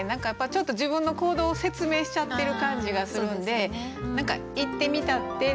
ちょっと自分の行動を説明しちゃってる感じがするんで「言ってみたって」とか。